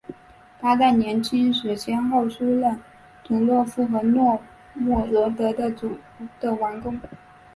他在年轻时先后出任图罗夫和诺夫哥罗德的王公。